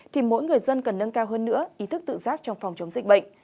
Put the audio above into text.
thì mỗi người dân cần nâng cao hơn nữa ý thức tự giác trong phòng chống dịch bệnh